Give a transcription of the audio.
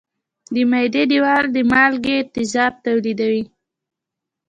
د معدې دېوال د مالګي تیزاب تولیدوي.